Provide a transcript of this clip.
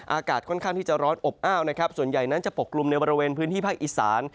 อากาศค่อนข้างที่จะร้อนอบอ้าวนะครับส่วนใหญ่นั้นจะปกกลุ่มในบริเวณพื้นที่ภาคอีสาน